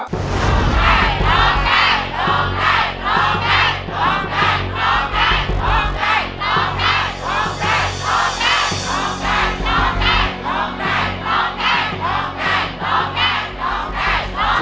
โรงแก่โรงแก่โรงแก่โรงแก่